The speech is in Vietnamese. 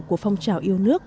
của phong trào yêu nước